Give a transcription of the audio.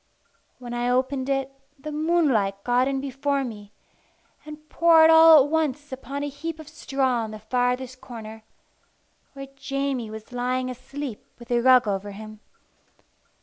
When I opened it, the moonlight got in before me, and poured all at once upon a heap of straw in the farthest corner, where Jamie was lying asleep with a rug over him.